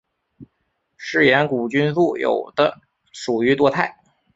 嗜盐古菌素有的属于多肽。